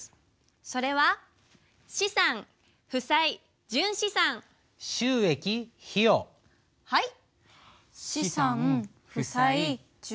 それははい！